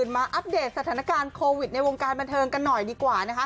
มาอัปเดตสถานการณ์โควิดในวงการบันเทิงกันหน่อยดีกว่านะคะ